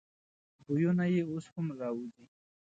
بویونه یې اوس هم راوزي.